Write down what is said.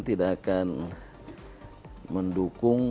tidak akan mendukung